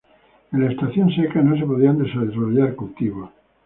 En la estación seca no se podían desarrollar cultivos.